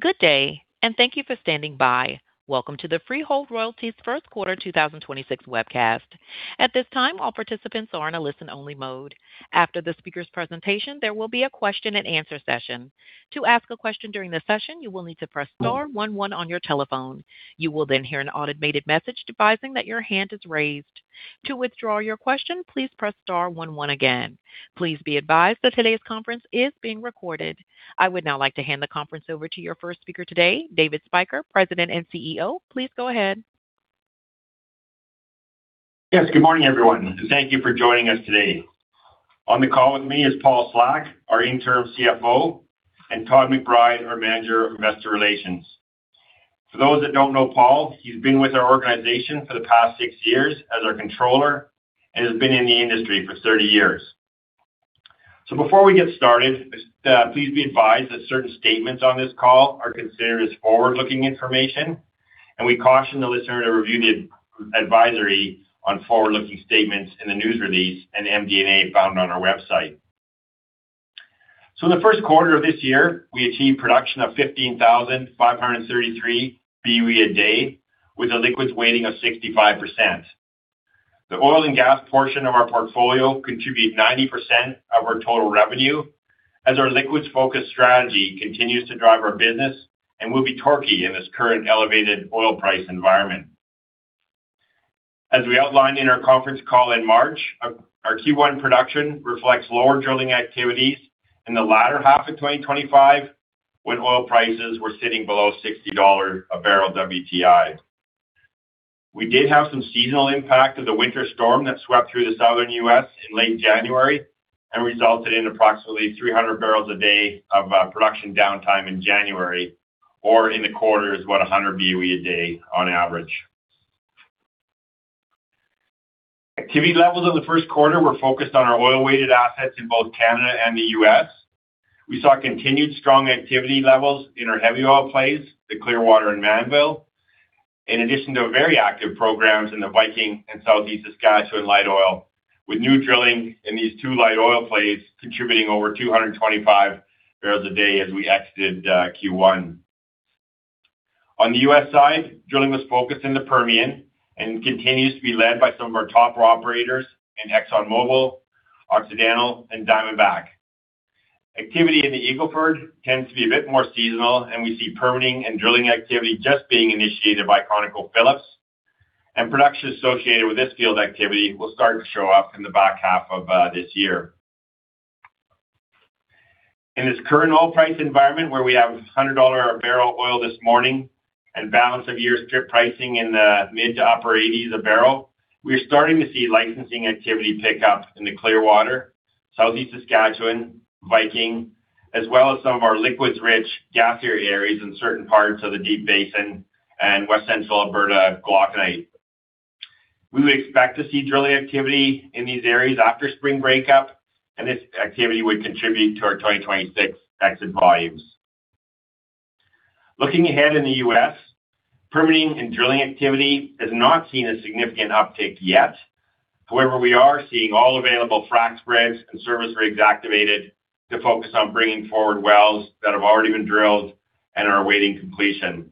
Good day, and thank you for standing by. Welcome to the Freehold Royalties First Quarter 2026 Webcast. I would now like to hand the conference over to your first speaker today, David Spyker, President and CEO. Please go ahead. Yes, good morning, everyone, and thank you for joining us today. On the call with me is Paul Slaney, our Interim CFO, and Todd McBride, our Manager of Investor Relations. For those that don't know Paul, he's been with our organization for the past six years as our controller and has been in the industry for 30 years. Before we get started, please be advised that certain statements on this call are considered as forward-looking information, and we caution the listener to review the advisory on forward-looking statements in the news release and MD&A found on our website. In the first quarter of this year, we achieved production of 15,533 BOE a day with a liquids weighting of 65%. The oil and gas portion of our portfolio contribute 90% of our total revenue as our liquids-focused strategy continues to drive our business and will be torquey in this current elevated oil price environment. As we outlined in our conference call in March, our Q1 production reflects lower drilling activities in the latter half of 2025, when oil prices were sitting below $60 a barrel WTI. We did have some seasonal impact of the winter storm that swept through the Southern U.S. in late January and resulted in approximately 300 barrels a day of production downtime in January or in the quarter is 100 BOE a day on average. Activity levels in the first quarter were focused on our oil-weighted assets in both Canada and the U.S. We saw continued strong activity levels in our heavy oil plays, the Clearwater and Mannville, in addition to very active programs in the Viking and Southeast Saskatchewan light oil, with new drilling in these two light oil plays contributing over 225 barrels a day as we exited Q1. On the U.S. side, drilling was focused in the Permian and continues to be led by some of our top royalty operators in ExxonMobil, Occidental, and Diamondback. Activity in the Eagle Ford tends to be a bit more seasonal, we see permitting and drilling activity just being initiated by ConocoPhillips. Production associated with this field activity will start to show up in the back half of this year. In this current oil price environment, where we have 100 dollar a barrel oil this morning and balance of year strip pricing in the mid to upper CAD 80s a barrel, we are starting to see licensing activity pick up in the Clearwater, Southeast Saskatchewan, Viking, as well as some of our liquids-rich gasier areas in certain parts of the Deep Basin and West Central Alberta Glauconite. We would expect to see drilling activity in these areas after spring breakup, and this activity would contribute to our 2026 exited volumes. Looking ahead in the U.S., permitting and drilling activity has not seen a significant uptick yet. However, we are seeing all available frac spreads and service rigs activated to focus on bringing forward wells that have already been drilled and are awaiting completion.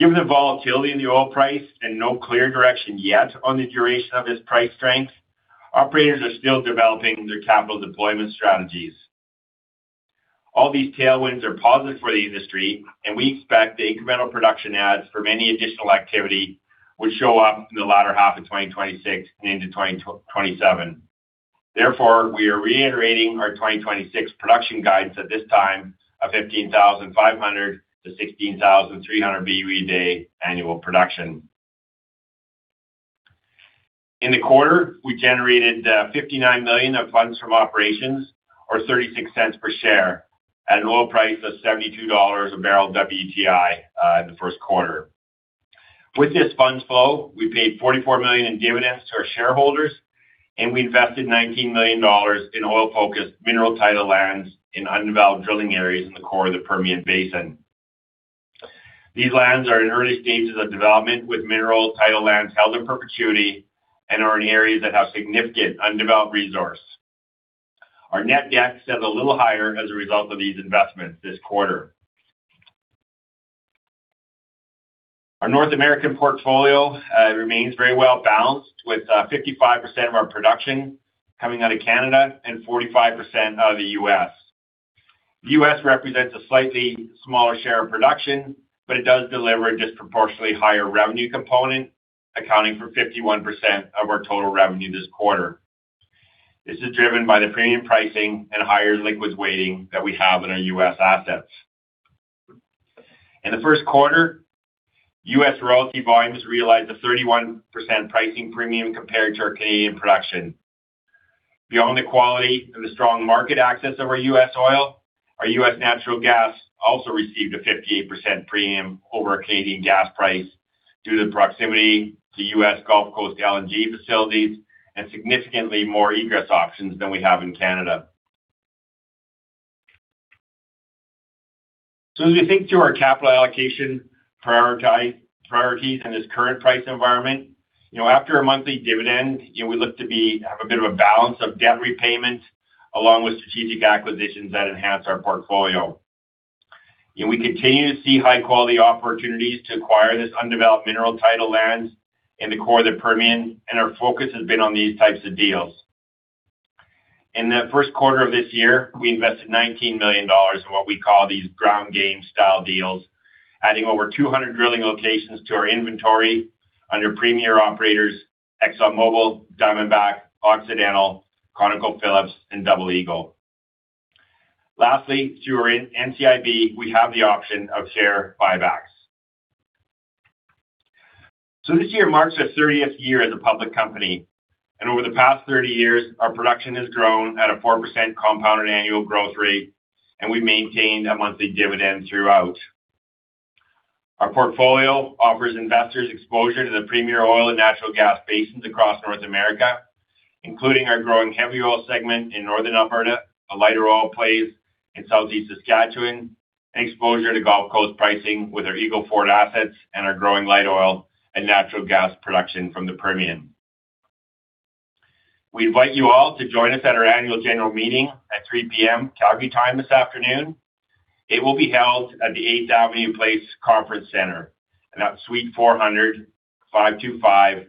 Given the volatility in the oil price and no clear direction yet on the duration of this price strength, operators are still developing their capital deployment strategies. All these tailwinds are positive for the industry, and we expect the incremental production adds from any additional activity would show up in the latter half of 2026 and into 2027. Therefore, we are reiterating our 2026 production guidance at this time of 15,500 BOE a day-16,300 BOE a day annual production. In the quarter, we generated 59 million of funds from operations or 0.36 per share at an oil price of $72 a barrel WTI in the first quarter. With this funds flow, we paid 44 million in dividends to our shareholders, and we invested 19 million dollars in oil-focused mineral title lands in undeveloped drilling areas in the core of the Permian Basin. These lands are in early stages of development with mineral title lands held in perpetuity and are in areas that have significant undeveloped resource. Our net debt stands a little higher as a result of these investments this quarter. Our North American portfolio remains very well-balanced, with 55% of our production coming out of Canada and 45% out of the U.S. The U.S. represents a slightly smaller share of production, but it does deliver a disproportionately higher revenue component, accounting for 51% of our total revenue this quarter. This is driven by the premium pricing and higher liquids weighting that we have in our U.S. assets. In the first quarter, U.S. royalty volumes realized a 31% pricing premium compared to our Canadian production. Beyond the quality and the strong market access of our U.S. oil, our U.S. natural gas also received a 58% premium over a Canadian gas price due to the proximity to U.S. Gulf Coast LNG facilities and significantly more egress options than we have in Canada. As we think through our capital allocation priorities in this current price environment, you know, after a monthly dividend, you know, we look to be have a bit of a balance of debt repayment, along with strategic acquisitions that enhance our portfolio. You know, we continue to see high quality opportunities to acquire this undeveloped mineral title lands in the core of the Permian, our focus has been on these types of deals. In the first quarter of this year, we invested 19 million dollars in what we call these ground-game style deals, adding over 200 drilling locations to our inventory under premier operators ExxonMobil, Diamondback, Occidental, ConocoPhillips, and Double Eagle. Lastly, through our NCIB, we have the option of share buybacks. This year marks our 30th year as a public company, and over the past 30 years, our production has grown at a 4% compounded annual growth rate, and we maintained a monthly dividend throughout. Our portfolio offers investors exposure to the premier oil and natural gas basins across North America, including our growing heavy oil segment in Northern Alberta, a lighter oil plays in Southeast Saskatchewan, and exposure to Gulf Coast pricing with our Eagle Ford assets and our growing light oil and natural gas production from the Permian. We invite you all to join us at our annual general meeting at 3:00 P.M. Calgary time this afternoon. It will be held at the Eighth Avenue Place Conference Center and at suite 405 25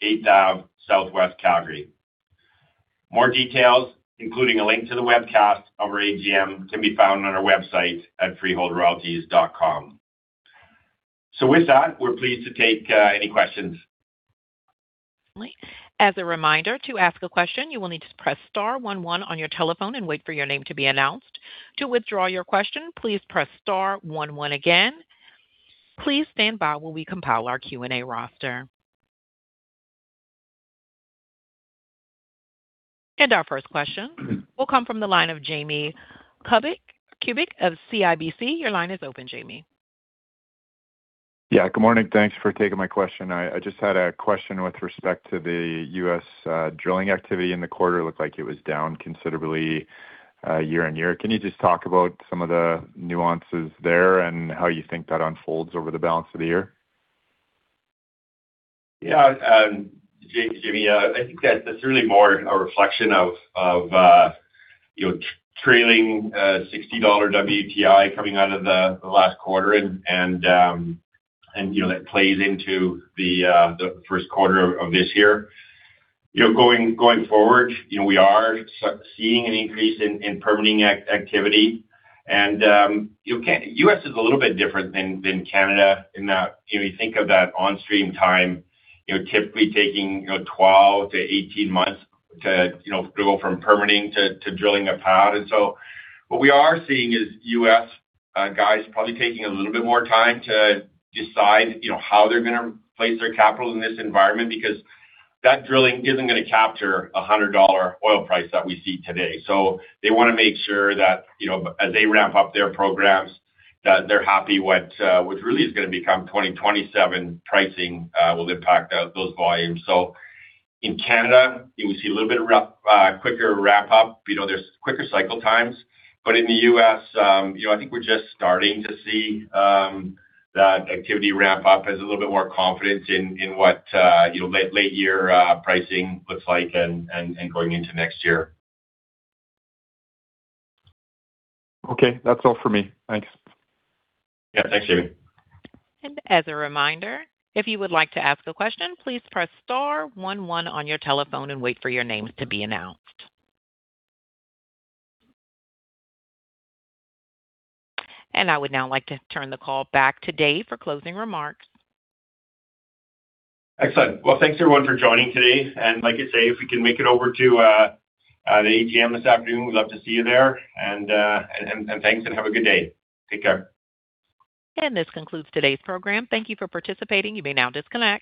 Eighth Ave, Southwest Calgary. More details, including a link to the webcast of our AGM, can be found on our website at freeholdroyalties.com. With that, we're pleased to take any questions. As a reminder, to ask a question, you will need to press star one one on your telephone and wait for your name to be announced. To withdraw your question, please press star one one again. Please stand by while we compile our Q&A roster. Our first question will come from the line of Jamie Kubik of CIBC. Your line is open, Jamie. Yeah, good morning. Thanks for taking my question. I just had a question with respect to the U.S. drilling activity in the quarter. It looked like it was down considerably, year-over-year. Can you just talk about some of the nuances there and how you think that unfolds over the balance of the year? Yeah. Jamie, I think that's really more a reflection of, you know, trailing $60 WTI coming out of the last quarter and, you know, that plays into the first quarter of this year. You know, going forward, you know, we are seeing an increase in permitting activity. You know, U.S. is a little bit different than Canada in that, you know, you think of that on stream time, you know, typically taking, you know, 12 to 18 months to, you know, go from permitting to drilling a pad. What we are seeing is U.S. guys probably taking a little bit more time to decide, you know, how they're gonna place their capital in this environment because that drilling isn't gonna capture a 100 dollar oil price that we see today. They wanna make sure that, you know, as they ramp up their programs, that they're happy what really is gonna become 2027 pricing will impact those volumes. In Canada, you know, we see a little bit of quicker wrap up. You know, there's quicker cycle times. In the U.S., you know, I think we're just starting to see that activity ramp up as a little bit more confidence in what, you know, late year pricing looks like and going into next year. Okay. That's all for me. Thanks. Yeah. Thanks, Jamie. I would now like to turn the call back to David for closing remarks. Excellent. Well, thanks everyone for joining today. Like I say, if we can make it over to the AGM this afternoon, we'd love to see you there and, thanks and have a good day. Take care. This concludes today's program. Thank you for participating. You may now disconnect.